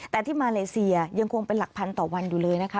แต่ที่มาเลเซียยังคงเป็นหลักพันต่อวันอยู่เลยนะคะ